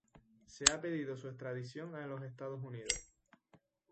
Se ha pedido su extradición a los Estados Unidos.